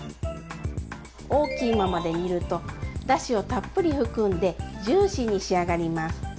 大きいままで煮るとだしをたっぷり含んでジューシーに仕上がります！